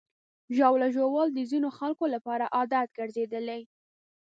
ژاوله ژوول د ځینو خلکو لپاره عادت ګرځېدلی.